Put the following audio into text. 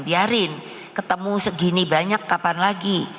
biarin ketemu segini banyak kapan lagi